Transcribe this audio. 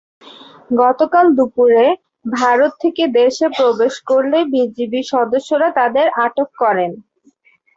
গতকাল দুপুরে ভারত থেকে দেশে প্রবেশ করলে বিজিবি সদস্যরা তাঁদের আটক করেন।